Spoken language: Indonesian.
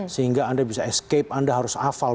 sehingga anda bisa escape anda harus hafal